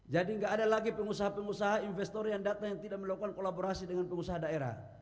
jadi tidak ada lagi pengusaha pengusaha investor yang datang yang tidak melakukan kolaborasi dengan pengusaha daerah